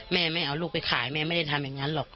แม่ไม่เอาลูกไปขายแม่ไม่ได้ทำอย่างนั้นหรอก